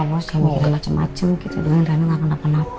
kamu bilang macem macem kita dengan raina gak kena penapa